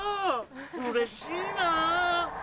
うれしいな！